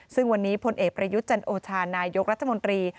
ซึ่งวันนี้พลเอกประยุทธ์จันโอชานายกรัฐมนตรี